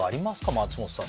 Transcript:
松本さん